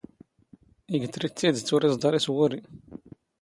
ⵉⴳ ⵜⵔⵉⴷ ⵜⵉⴷⵜ, ⵓⵔ ⵉⵥⴹⴰⵕ ⵉ ⵜⵡⵓⵔⵉ.